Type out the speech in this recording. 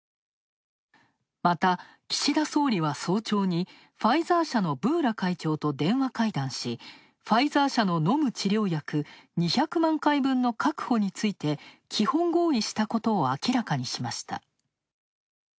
また、岸田総理は早朝にファイザー社のブーラ会長と電話会談し、ファイザー社の飲む治療薬２００万回分の確保について基本合意したことを明らかにしました。